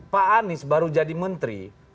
pak anies baru jadi menteri